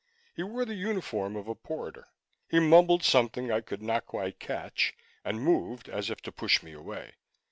He wore the uniform of a porter. He mumbled something I could not quite catch, and moved as if to push me away.